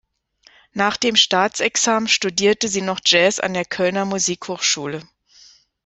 Nach dem Staatsexamen studierte sie noch Jazz an der Kölner Musikhochschule.